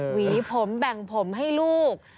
หวีผมแบ่งผมให้ลูก